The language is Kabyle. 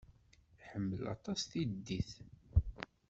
Iḥemmel aṭas tiddit.